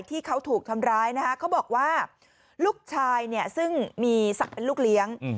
ที่เขาถูกทำร้ายนะคะเขาบอกว่าลูกชายเนี่ยซึ่งมีศักดิ์เป็นลูกเลี้ยง